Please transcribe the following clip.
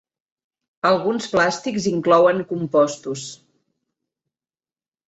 Alguns plàstics inclouen compostos.